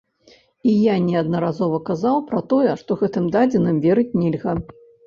І я неаднаразова казаў пра тое, што гэтымі дадзеным верыць нельга.